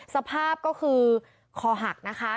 สภาพก็คือคอหักนะคะ